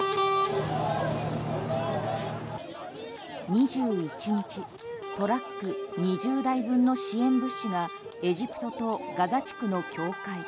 ２１日トラック２０台分の支援物資がエジプトとガザ地区の境界